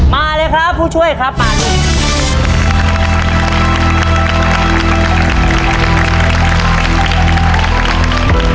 มาเลยครับผู้ช่วยครับมาเลย